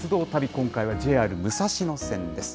今回はＪＲ武蔵野線です。